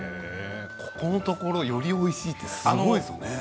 ここのところよりおいしいってすごいですよね。